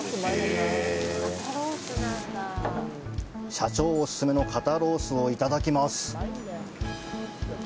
社長お勧めの肩ロースをいただきます。